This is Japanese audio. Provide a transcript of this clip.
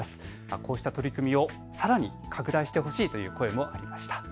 こうした取り組みをさらに拡大してほしいという声もありました。